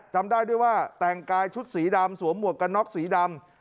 จำได้ด้วยว่าแต่งกายชุดสีดำสวมหมวกกันน็อกสีดำ